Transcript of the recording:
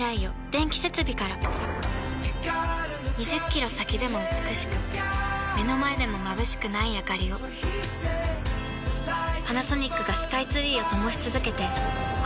２０キロ先でも美しく目の前でもまぶしくないあかりをパナソニックがスカイツリーを灯し続けて今年で１０年